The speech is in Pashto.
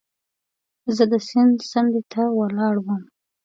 زه د سیند څنډې ته ولاړ وم.